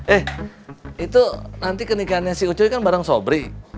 eh itu nanti kenikannya si ucuy kan bareng sobri